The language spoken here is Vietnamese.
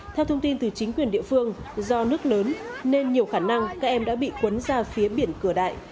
theo thông tin từ chính quyền địa phương do nước lớn nên nhiều khả năng các em đã bị cuốn ra phía biển cửa đại